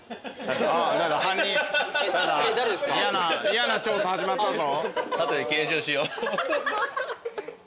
嫌な調査始まったぞ。